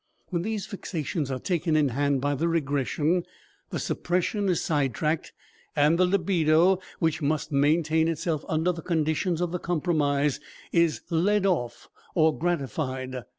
When these fixations are taken in hand by the regression, the suppression is side tracked and the libido, which must maintain itself under the conditions of the compromise, is led off or gratified.